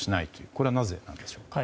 これはなぜなんでしょうか。